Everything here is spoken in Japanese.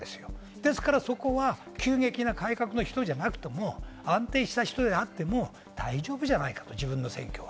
ですから、そこは急激な改革の人じゃなくても、安定した人であっても大丈夫じゃないかと、自分の選挙は。